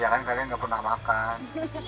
iya kan kalian gak pernah makan